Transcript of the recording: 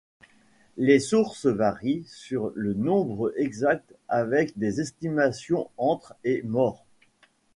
Les sources varient sur le nombre exact avec des estimations entre et morts.